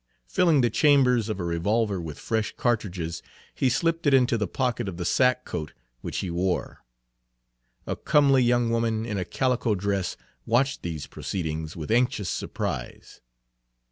Filling the chambers of a revolver with fresh cartridges, he slipped it into the pocket of the sack coat which he wore. A comely young woman in a calico dress watched these proceedings with anxious surprise.